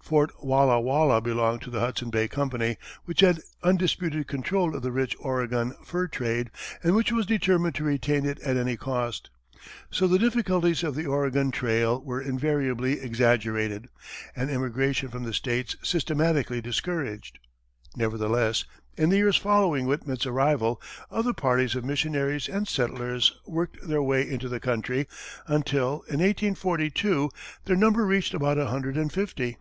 Fort Walla Walla belonged to the Hudson Bay Company, which had undisputed control of the rich Oregon fur trade, and which was determined to retain it at any cost. So the difficulties of the Oregon trail were invariably exaggerated, and immigration from the states systematically discouraged. Nevertheless, in the years following Whitman's arrival, other parties of missionaries and settlers worked their way into the country, until, in 1842, their number reached about a hundred and fifty.